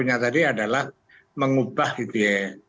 yang salah tadi adalah mengubah gitu ya